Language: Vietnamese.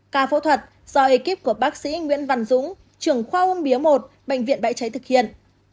ca phẫu thuật do ekip của bác sĩ nguyễn văn dũng trưởng khoa ung biếu một bệnh viện bãi cháy thực hiện